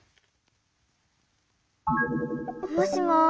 もしもし。